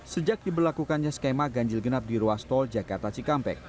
sejak diberlakukannya skema ganjil genap di ruas tol jakarta cikampek